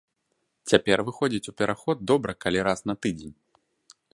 Цяпер выходзіць у пераход добра калі раз на тыдзень.